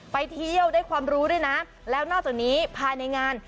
ไปเที่ยวได้ความรู้ด้วยนะแล้วนอกจากนี้ภายในงาน